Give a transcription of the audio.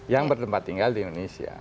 yang bertempat tinggal di indonesia